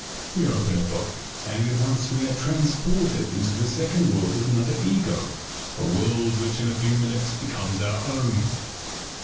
We open a book and at once we are transported into the second world of another ego, a world which in a few minutes becomes our own.